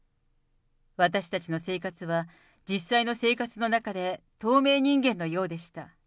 私たちの生活は実際の生活の中で透明人間のようでした。